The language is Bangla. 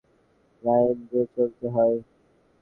লাইন দিয়ে চলতে হয়।